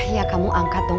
ya kamu angkat dong